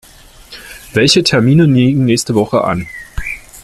Welche Termine liegen nächste Woche an?